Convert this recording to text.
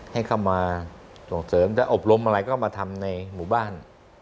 ให้เข้ามาส่งเสริมจะอบรมอะไรก็มาทำในหมู่บ้าน